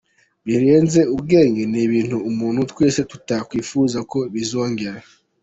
Birenze ubwenge, ni ibintu umuntu twese tutakwifuza ko bizongera.